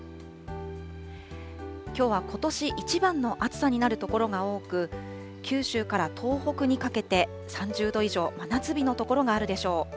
きょうはことし一番の暑さになる所が多く、九州から東北にかけて、３０度以上、真夏日の所が多いでしょう。